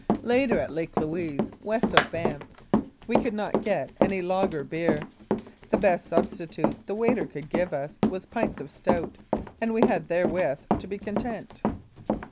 Later, at Lake Louise, west of Banff, we could not get any lager beer. The best substitute the waiter could give us was pints of stout, and we had therewith to be content.